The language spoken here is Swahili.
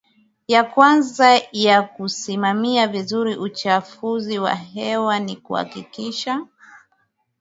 ya kwanza ya kusimamia vizuri uchafuzi wa hewa ni kuhakikisha